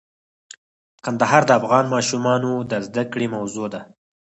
کندهار د افغان ماشومانو د زده کړې موضوع ده.